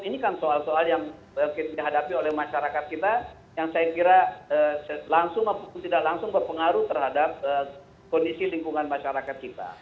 ini kan soal soal yang dihadapi oleh masyarakat kita yang saya kira langsung ataupun tidak langsung berpengaruh terhadap kondisi lingkungan masyarakat kita